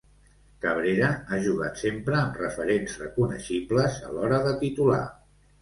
Cabrera ha jugat sempre amb referents reconeixibles a l'hora de titular.